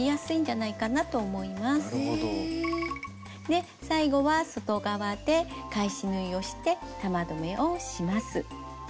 で最後は外側で返し縫いをして玉留めをします。